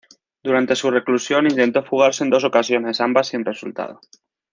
Durante su reclusión intentó fugarse en dos ocasiones, ambas sin resultado.